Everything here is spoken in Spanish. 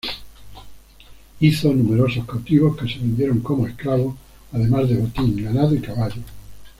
Hizo numerosos cautivos que se vendieron como esclavos, además de botín, ganado y caballos.